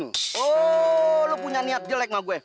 oh lo punya niat jelek sama gue